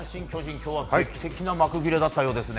今日は劇的な幕切れだったようですね。